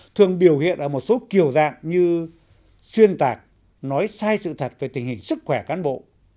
thường biểu hiện ở một số kiểu dạng như xuyên tạc nói sai sự thật về tình hình sức khỏe cán bộ